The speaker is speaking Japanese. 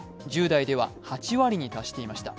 １０代では８割に達していました。